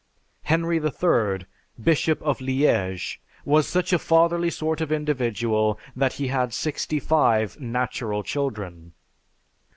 Henry III, Bishop of Liege, was such a fatherly sort of individual that he had sixty five "natural children!"